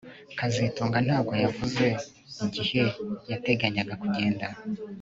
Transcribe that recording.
kazitunga ntabwo yavuze igihe yateganyaga kugenda